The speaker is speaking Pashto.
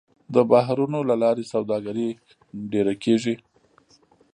د بحرونو له لارې سوداګري ډېره کېږي.